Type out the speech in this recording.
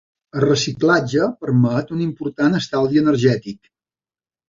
El reciclatge permet un important estalvi energètic.